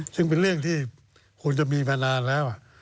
ซึ่งเป็นเรื่องที่ควรจะมีมานานแล้ว